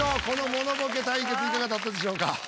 このモノボケ対決いかがだったでしょうか？